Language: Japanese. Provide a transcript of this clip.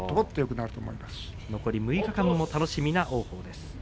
残り６日間も楽しみな王鵬です。